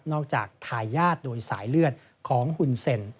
จากทายาทโดยสายเลือดของหุ่นเซ็น